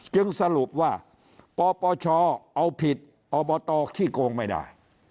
จึงสรุปว่าปปชเอาผิดอบตขี้โกงไม่ได้